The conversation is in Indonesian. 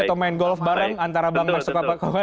atau main golf bareng antara bang max sokopakwa